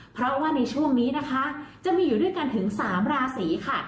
เพราะว่าในช่วงนี้นะคะจะมีอยู่ด้วยกันถึง๓ราศีค่ะ